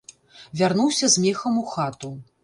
Вярнуўся з мехам у хату.